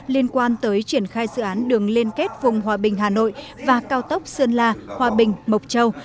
liên quan tới triển khai dự án đường liên kết vùng hòa bình hà nội và cao tốc sơn la hòa bình mộc châu